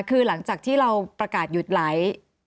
คือหลังจากที่เราประกาศหยุดไลฟ์